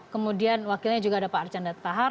kemudian wakilnya juga ada pak archandat pahar